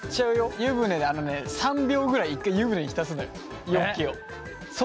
湯船であのね３秒ぐらい１回湯船に浸すのよ